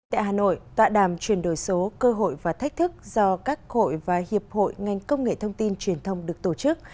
tại hà nội tọa đàm chuyển đổi số cơ hội và thách thức do các hội và hiệp hội ngành công nghệ thông tin truyền thông được tổ chức